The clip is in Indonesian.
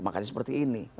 makanya seperti ini